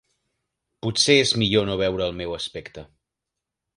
Potser és millor no veure el meu aspecte.